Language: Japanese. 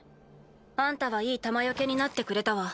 あんたはいい弾よけになってくれたわ。